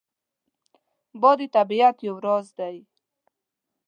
باد د طبیعت یو راز دی